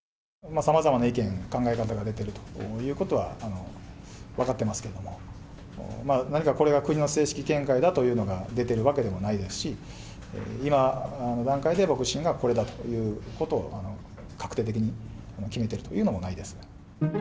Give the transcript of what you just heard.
さまざまな意見、考え方が出てるということは分かってますけども、何かこれが国の正式見解だというのが出てるわけでもないですし、今の段階で僕自身がこれだということを、確定的に決めてるというのもないです。